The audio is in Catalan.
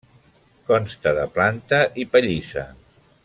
Consta de planta i pallissa.